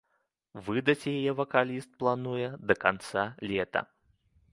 Выдаць яе вакаліст плануе да канца лета.